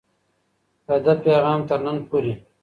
د ده پیغام تر نن پوري